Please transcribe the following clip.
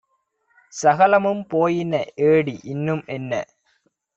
சகலமும் போயினஏடி இன்னும்என்ன!